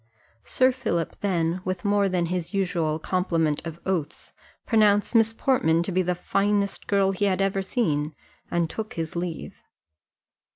Sir Philip then, with more than his usual complement of oaths, pronounced Miss Portman to be the finest girl he had ever seen, and took his leave.